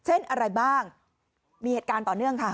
เช่นอะไรบ้างมีทีที่ต่อเนื่องค่ะ